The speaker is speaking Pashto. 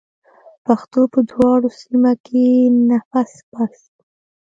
پښتو په دواړو سیمه کې نفس باسي.